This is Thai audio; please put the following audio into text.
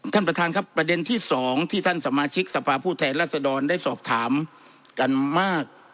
ท่านประธานครับประเด็นที่สองที่ท่านสมาชิกสภาพผู้แทนรัศดรได้สอบถามกันมาก